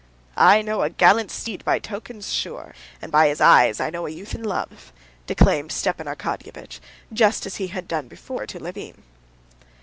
"I know a gallant steed by tokens sure, And by his eyes I know a youth in love," declaimed Stepan Arkadyevitch, just as he had done before to Levin.